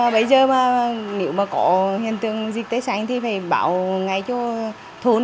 bây giờ nếu có hiện tượng dịch tai xanh thì phải bảo ngay cho thôn